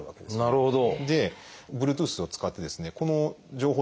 なるほど。